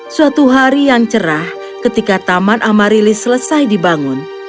suatu hari yang cerah ketika taman amarilis selesai dibangun